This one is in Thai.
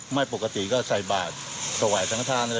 ไม่ปกติก็ใส่บาตรสวัสดิ์สังธาร